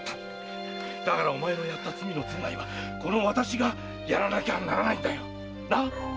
〔だからお前のやった罪の償いは私がやらなきゃならないんだ〕・